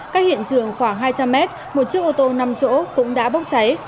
các hiện trường khoảng hai trăm linh m một chiếc ô tô năm chỗ cũng đã bốc cháy